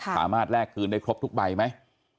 สามารถแรกคืนได้ครบทุกใบไหม